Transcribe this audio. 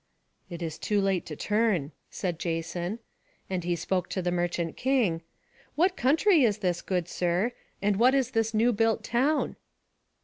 "It is too late to turn," said Jason. And he spoke to the merchant king: "What country is this, good sir; and what is this new built town?"